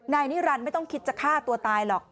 นายนิรันดิ์ไม่ต้องคิดจะฆ่าตัวตายหรอก